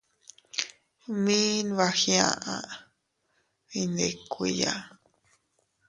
Mi nbagiaʼa iyndikuiya.